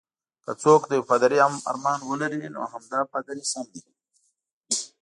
که څوک د یو پادري ارمان لري، نو همدا پادري سم دی.